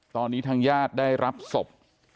ตอนนี้ทางญาติได้รับศพ